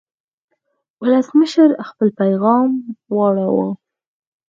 ولسمشر خپل پیغام واوراوه.